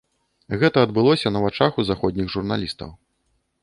Гэта адбылося на вачах у заходніх журналістаў.